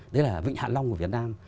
đấy là vịnh hạ long của việt nam